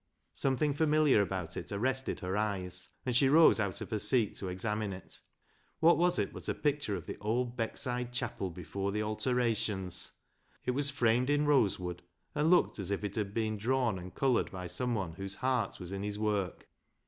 Something familiar about it arrested her eyes, and she rose out of her seat to examine it. What was it but a picture of the old Beckside Chapel before the alterations ! It was framed in rosewood, and looked as if it had been drawn and coloured by someone whose heart was in his work.